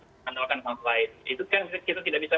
mengandalkan house lain itu kan kita tidak bisa